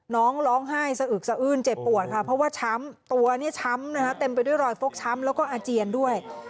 น้องร้องไห้สะอึกสะอื้นเจ็บปวดค่ะเพราะว่าช้ำตัวเนี่ยช้ำนะคะเต็มไปด้วยรอยฟกช้ำแล้วก็อาเจียนด้วย